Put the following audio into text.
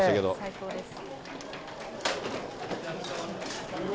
最高です。